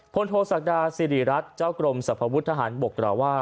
พลทดสักธาซีริรัตรเจ้ากรมสภะวุฒิทธาหารบก